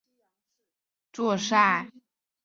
自六十年代起一直都是在法甲联赛作赛。